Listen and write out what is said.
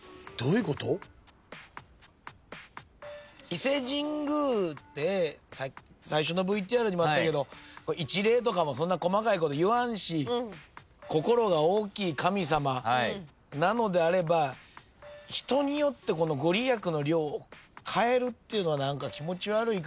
伊勢神宮って最初のＶＴＲにもあったけど一礼とかもそんな細かいこと言わんし心が大きい神様なのであれば人によって御利益の量を変えるっていうのは何か気持ち悪いかなと思うので。